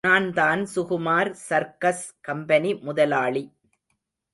நான்தான் Sukumar circus company முதலாளி.